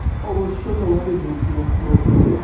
অবশ্যই তোমাকে মুক্ত করতে হবে!